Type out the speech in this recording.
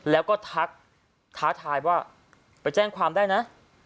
แล้วก็ทักท้าทายว่าไปแจ้งความได้นะ